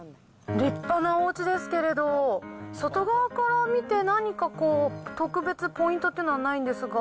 立派なおうちですけれど、外側から見て、何か特別ポイントっていうのはないんですが。